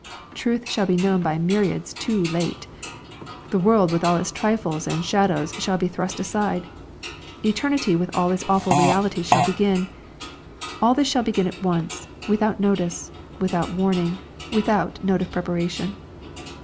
Truth shall be known by myriads too late. The world with all its trifles and shadows shall be thrust aside. Eternity with all its awful realities shall begin. All this shall begin at once, without notice, without warning, without note of preparation.